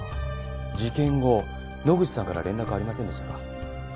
事件後野口さんから連絡ありませんでしたか？